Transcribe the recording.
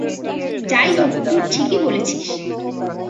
যাই হোক, তুই ঠিকই বলেছিস।